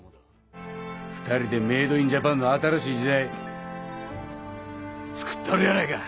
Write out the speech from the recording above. ２人でメイドインジャパンの新しい時代つくったろやないか。